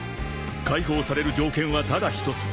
［解放される条件はただ一つ］